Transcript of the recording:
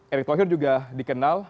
erick thohir juga dikenal